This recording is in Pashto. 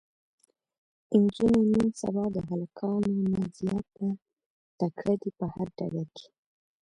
انجونې نن سبا د هلکانو نه زياته تکړه دي په هر ډګر کې